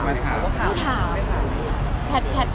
อย่างพี่เบ้นเองเขามาถาม